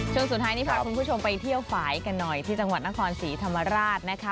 ช่วงสุดท้ายนี้พาคุณผู้ชมไปเที่ยวฝ่ายกันหน่อยที่จังหวัดนครศรีธรรมราชนะคะ